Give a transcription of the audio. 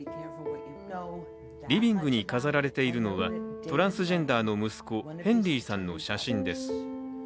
リビングに飾られているのはトランスジェンダーの息子、ヘンリーさんの写真です。